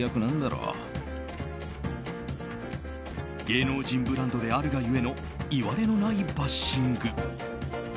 芸能人ブランドであるが故のいわれのないバッシング。